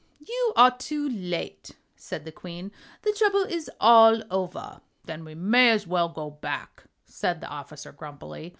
"You are too late," said the Queen; "the trouble is all over." "Then we may as well go back," said the officer, grumpily.